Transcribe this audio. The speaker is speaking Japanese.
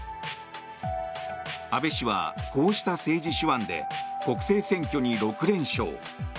安倍氏はこうした政治手腕で国政選挙に６連勝。